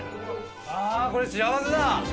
ああーこれ幸せだ！